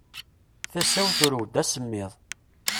Tasa-w turew-d asemmiḍ.